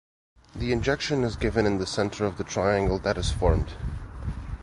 The injection is given in the center of the triangle that is formed.